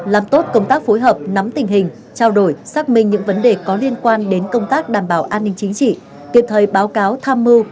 làm tốt công tác phối hợp nắm tình hình trao đổi xác minh những vấn đề có liên quan đến công tác đảm bảo an ninh chính trị kịp thời báo cáo tham mưu